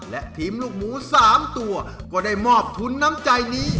และทีมลูกหมู๓ตัวก็ได้มอบทุนน้ำใจนี้